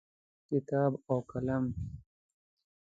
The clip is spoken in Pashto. کتاب او قلم